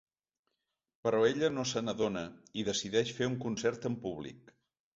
Però ella no se n’adona i decideix fer un concert en públic.